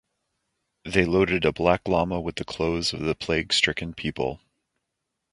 They loaded a black llama with the clothes of the plague-stricken people.